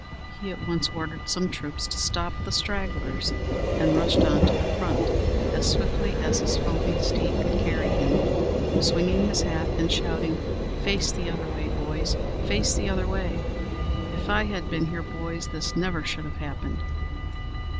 He at once ordered some troops to stop the stragglers, and rushed on to the front as swiftly as his foaming steed could carry him, swinging his hat, and shouting, "Face the other way, boys! face the other way! If I had been here, boys, this never should have happened."